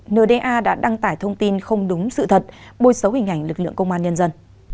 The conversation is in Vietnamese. nda đã đăng tải thông tin không đúng sự thật bôi xấu hình ảnh lực lượng công an nhân dân